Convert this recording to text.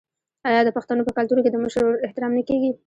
آیا د پښتنو په کلتور کې د مشر ورور احترام نه کیږي؟